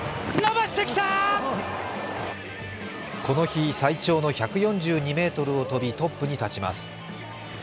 この日、最長の１４２ｍを飛びトップに立ちます。